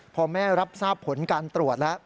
พอแม่รับทราบผลการตรวจแล้ว